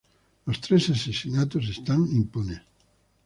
Los tres asesinatos están impunes.